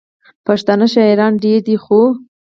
پښتانه شاعران ډېر دي، خو: